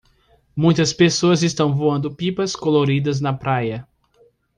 Muitas pessoas estão voando pipas coloridas na praia.